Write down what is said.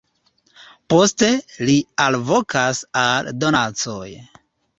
Poste, li alvokas al donacoj.